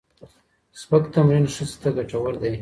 سپک تمرين ښځې ته ګټور دی